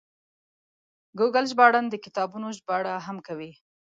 ګوګل ژباړن د کتابونو ژباړه هم کوي.